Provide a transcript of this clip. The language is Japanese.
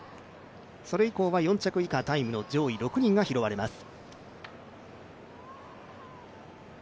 それ以降は４着以下、タイムの上位６人が拾われます。